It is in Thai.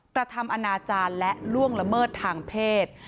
กระทำอนาจารย์และล่วงละเมิดทางเพศ